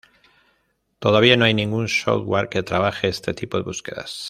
Todavía no hay ningún software que trabaje este tipo de búsquedas.